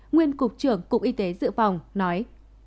nguyên cục trưởng cục y tế dự phòng nói